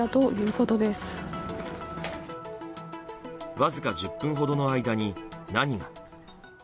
わずか１０分ほどの間に何が。